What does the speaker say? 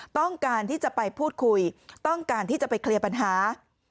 ต้องการที่จะไปพูดคุยต้องการที่จะไปเคลียร์ปัญหา